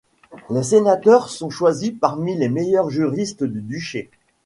Les Sénateurs sont choisis parmi les meilleurs juristes du duché.